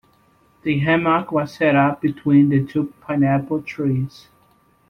The hammock was set up between the two pineapple trees.